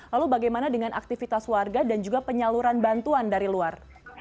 lalu bagaimana dengan aktivitas warga dan juga penyaluran bantuan dari luar